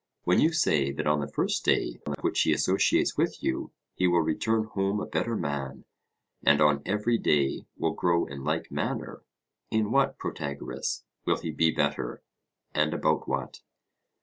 When you say that on the first day on which he associates with you he will return home a better man, and on every day will grow in like manner, in what, Protagoras, will he be better? and about what?